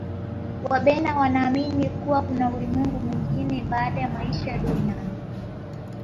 wabena wanaamini kuwa kuna ulimwengu mwingine baada ya maisha ya duniani